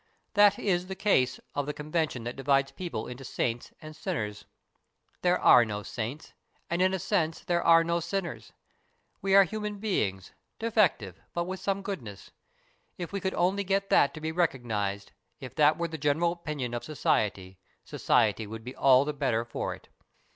That is the case of the convention that divides people into saints and sinners. There are no saints, and in a sense there are no sinners. We are human beings, defective, but with some goodness. If we could only get that to be recognized, if that were the general opinion of society, society would be all the better for it."